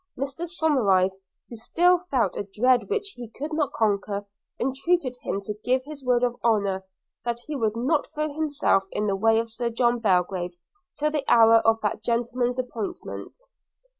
Mr Somerive, who still felt a dread which he could not conquer, entreated him to give his word of honour, that he would not throw himself in the way of Sir John Belgrave till the hour of that gentleman's appointment.